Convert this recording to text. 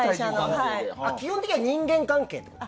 基本的には人間関係ですか？